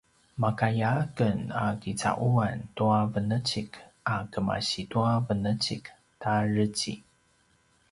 makaya aken a kica’uan tua venecik a kemasi tua venecik ta dreci